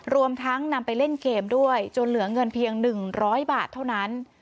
รวมทั้งนำไปเล่นเกมด้วยจนเหลือเงินเพียง๑๐๐บาทเท่านั้น